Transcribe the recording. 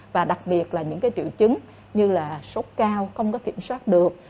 và đặc biệt là những triệu chứng như là sốt cao không có kiểm soát được